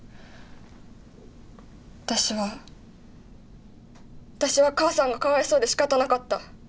私は私は母さんがかわいそうでしかたなかった。